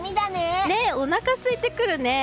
おなかすいてくるね！